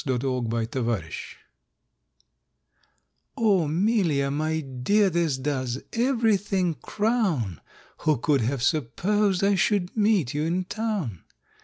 THE RUINED MAID "O 'Melia, my dear, this does everything crown! Who could have supposed I should meet you in Town?